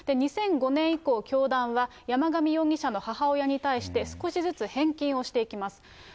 ２００５年以降、教団は、山上容疑者の母親に対して、少しずつ返金をしていきます。